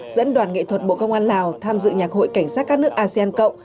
dẫn đoàn nghệ thuật bộ công an lào tham dự nhạc hội cảnh sát các nước asean cộng